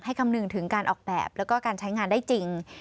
คำนึงถึงการออกแบบแล้วก็การใช้งานได้จริง